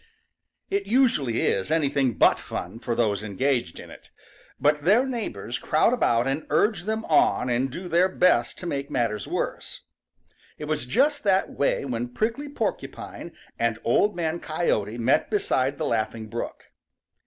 |IT usually is anything but fun for those engaged in it, but their neighbors crowd about and urge them on and do their best to make matters worse. It was just that way when Prickly Porcupine and Old Man Coyote met beside the Laughing Brook.